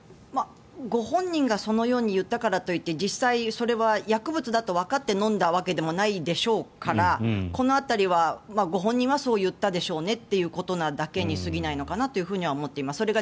ご本人がそのように言ったからといって実際それは薬物だとわかって飲んだわけでもないでしょうからこの辺りはご本人はそう言ったでしょうねということに過ぎないのかなと思います。